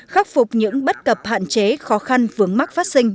khắc phục những bất cập hạn chế khó khăn vướng mắc phát sinh